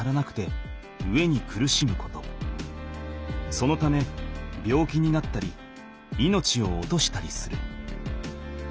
そのため病気になったり命を落としたりする。